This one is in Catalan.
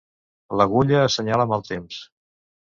L'agulla assenyala mal temps.